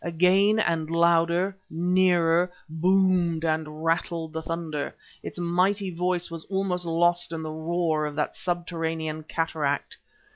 Again, and louder, nearer, boomed and rattled the thunder; its mighty voice was almost lost in the roar of that subterranean cataract.